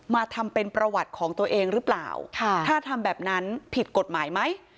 มาทำเป็นประวัติของตัวเองหรือเปล่าถ้าทำแบบนั้นผิดกฎหมายไหม